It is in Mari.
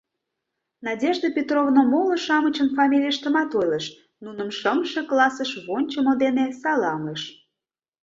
Надежда Петровна моло-шамычын фамилийыштымат ойлыш, нуным шымше классыш вончымо дене саламлыш.